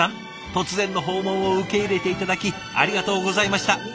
突然の訪問を受け入れて頂きありがとうございました。